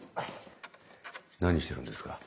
何してるんですか？